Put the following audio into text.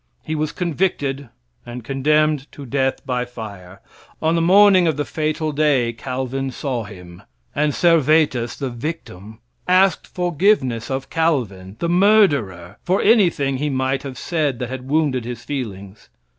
He was convicted and condemned to death by fire. On the morning of the fatal day, Calvin saw him; and Servetus, the victim, asked forgiveness of Calvin, the murderer, for anything he might have said that had wounded his feelings.